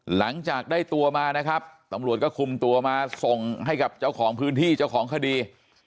หลังจากได้ตัวมานะครับตำรวจก็คุมตัวมาส่งให้กับเจ้าของพื้นที่เจ้าของคดี